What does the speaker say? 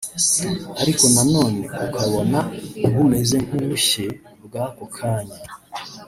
ariko na none ukabona bumeze nk’ubushye bw’ako kanya